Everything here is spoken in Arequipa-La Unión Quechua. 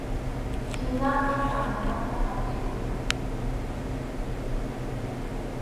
Ninaqa sansamanta hapʼikun.